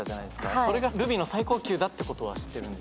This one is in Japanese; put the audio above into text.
それがルビーの最高級だってことは知ってるんですけど。